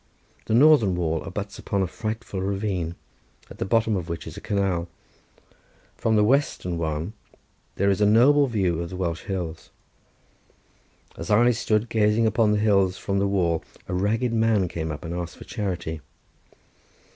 The northern wall abuts upon a frightful ravine, at the bottom of which is a canal. From the western one there is a noble view of the Welsh hills. As I stood gazing upon the hills from the wall, a ragged man came up and asked for charity.